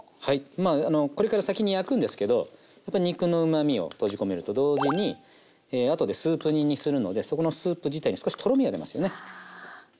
まあこれから先に焼くんですけどやっぱ肉のうまみを閉じ込めると同時にあとでスープ煮にするのでそこのスープ自体に少しとろみが出ますよね。